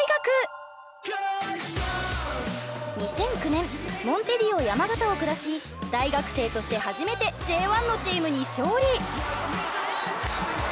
２００９年モンテディオ山形を下し大学生として初めてＪ１のチームに勝利。